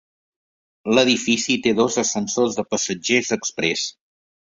L'edifici té dos ascensors de passatgers exprés.